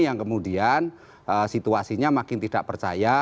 yang kemudian situasinya makin tidak percaya